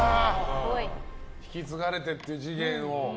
引き継がれてという、次元を。